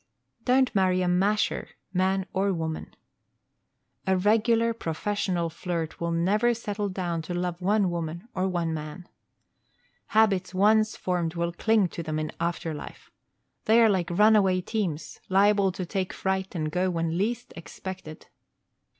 Don't marry a "masher" man or woman. A regular professional flirt will never settle down to love one woman or one man. Habits once formed will cling to them in after life. They are like runaway teams liable to take fright and go when least expected.